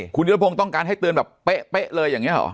คุณยุทธพงศ์ต้องการให้เตือนแบบเป๊ะเลยอย่างนี้เหรอ